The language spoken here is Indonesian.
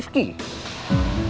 om juga mau ya